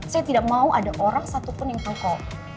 saya tidak mau ada orang satupun yang kokoh